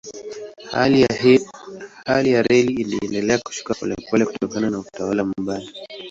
Hali ya reli iliendelea kushuka polepole kutokana na utawala mbaya.